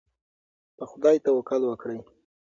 په خدای توکل وکړئ.